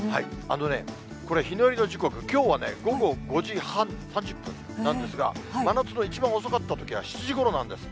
これ、日の入りの時刻、きょうはね、午後５時半、３０分なんですが、真夏の一番遅かったときは、７時ごろなんです。